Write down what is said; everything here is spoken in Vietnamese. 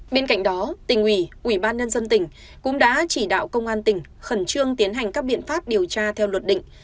bên cạnh đó tỉnh ủy ủy ban nhân dân tỉnh cũng đã chỉ đạo công an tỉnh khẩn trương tiến hành các biện pháp điều tra theo luật định